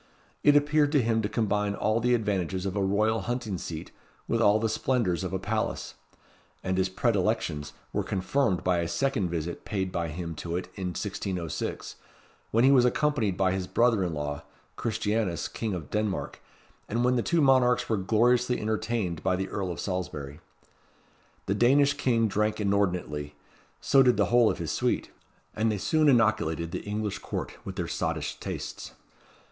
It appeared to him to combine all the advantages of a royal hunting seat with all the splendours of a palace; and his predilections were confirmed by a second visit paid by him to it in 1606, when he was accompanied by his brother in law, Christianus, King of Denmark, and when the two monarchs were gloriously entertained by the Earl of Salisbury. The Danish king drank inordinately; so did the whole of his suite: and they soon inoculated the English Court with their sottish tastes.